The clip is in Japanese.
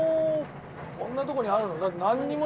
こんなとこにあるの？